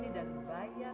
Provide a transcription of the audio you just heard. dia yang gak salah